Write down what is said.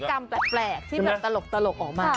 มันจะมีการแปลกที่แบบตลกออกมา